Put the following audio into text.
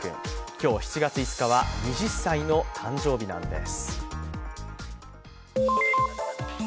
今日７月５日は２０歳の誕生日なんです。